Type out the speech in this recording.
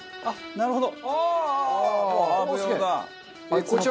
なるほど！